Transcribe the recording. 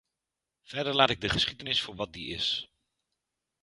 Verder laat ik de geschiedenis voor wat die is.